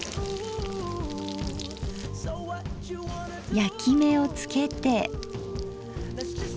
焼き目をつけて。